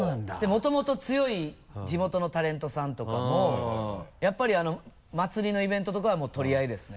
もともと強い地元のタレントさんとかもやっぱり祭りのイベントとかはもう取り合いですね。